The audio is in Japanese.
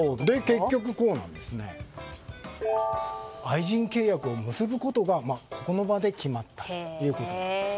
結局、愛人契約を結ぶことがこの場で決まったということです。